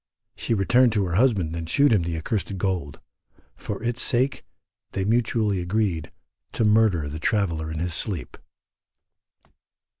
She returned to her husband and shewed him the accursed gold: for its sake they mutually agreed to murder the traveller in his sleep.